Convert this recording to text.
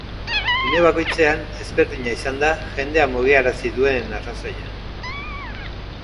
Une bakoitzean ezberdina izan da jendea mugiarazi duen arrazoia.